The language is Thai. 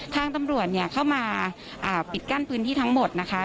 ทางตำรวจเนี่ยเข้ามาปิดกั้นพื้นที่ทั้งหมดนะคะ